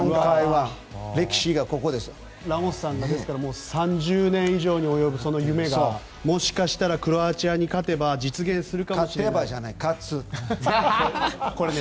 ラモスさんの３０年以上に及ぶ夢がもしかしたらクロアチアに勝てば実現するかも。